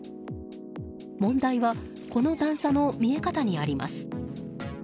問題は、この段差の見え方にあります。